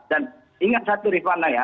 dan ingat satu rifana ya